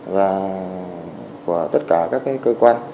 và của tất cả các cơ quan